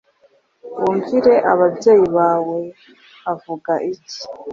Wumvire ababyeyi bawe. Avuga iki?